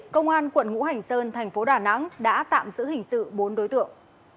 công an quận ngũ hành sơn thành phố đà nẵng đã tạm giữ hình sự bốn đối tượng